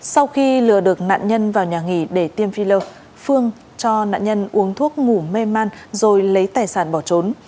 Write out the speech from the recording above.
sau khi lừa được nạn nhân vào nhà nghỉ để tiêm phi lơ phương cho nạn nhân uống thuốc ngủ mê man rồi lấy tài sản bỏ trốn